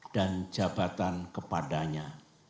dan jabatan kepadanya